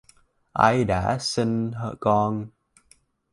Ai đã sinh con